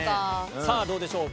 さあ、どうでしょうか。